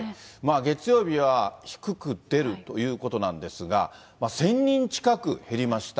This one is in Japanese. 月曜日は低く出るということなんですが、１０００人近く減りました。